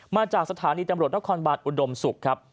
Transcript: มาจากสถานีตำรวจนักคอนบาทอุดมศุกร์